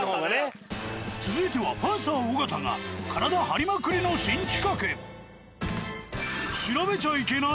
続いてはパンサー尾形が体張りまくりの新企画。